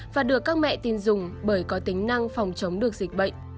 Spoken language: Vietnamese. và được các mẹ tin dùng bởi có tính năng phòng chống được dịch bệnh